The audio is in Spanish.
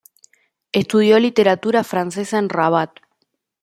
Estudió literatura francesa en Rabat.